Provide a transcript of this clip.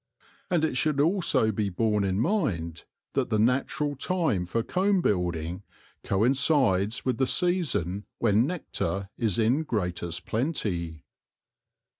And it should also be borne in mind that the natural time for comb building coincides with the season when nectar is in greatest plenty.